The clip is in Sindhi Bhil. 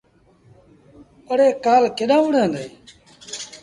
اَڙي ڪآل ڪيڏآن وُهڙيٚن هُݩديٚݩ۔